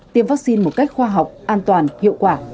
tiêm vaccine một cách khoa học an toàn hiệu quả